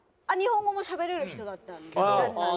日本語もしゃべれる人だったんで。